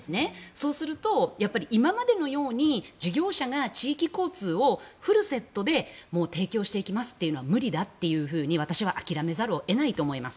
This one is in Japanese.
そうすると今までのように事業者が地域交通をフルセットで提供していきますというのは無理だというふうに私は諦めざるを得ないと思います。